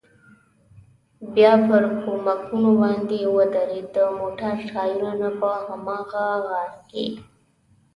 بیا پر کومکونو باندې ودرېد، د موټر ټایرونه په هماغه غار کې.